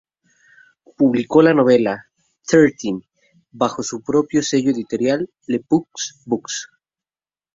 Publicó la novela "Thirteen" bajo su propio sello editorial, "Lepus Books".